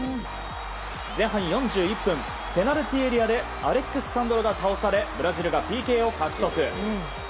前半４１分ペナルティーエリアでアレックス・サンドロが倒されブラジルがＰＫを獲得。